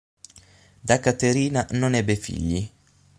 Da Caterina non ebbe figli.